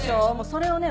それをね